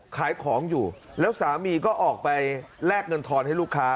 ขายของอยู่แล้วสามีก็ออกไปแลกเงินทอนให้ลูกค้า